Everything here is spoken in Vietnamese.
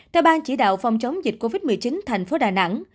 theo bang chỉ đạo phòng chống dịch covid một mươi chín thành phố đà nẵng